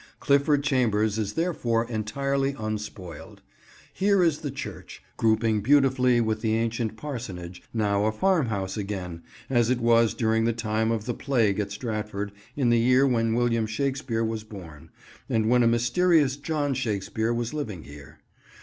Clifford Chambers is therefore entirely unspoiled. Here is the church, grouping beautifully with the ancient parsonage, now a farmhouse again, as it was during the time of the plague at Stratford, in the year when William Shakespeare was born, and when a mysterious John Shakespeare was living here.